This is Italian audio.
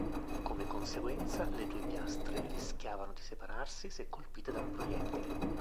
Come conseguenza, le due piastre rischiavano di separarsi se colpite da un proiettile.